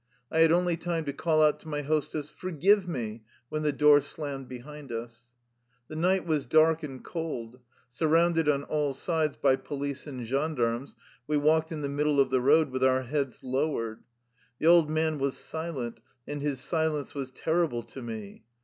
I had only time to call out to my hostess, " Forgive me !'' when the door slammed behind us. The night was dark and cold. Surrounded on all sides by police and gendarmes, we walked in the middle of the road, with our heads low ered. The old man was silent, and his silence was terrible to me.